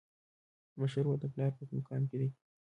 مشر ورور د پلار په مقام کي دی.